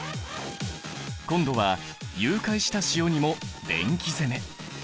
今度は融解した塩にも電気攻め。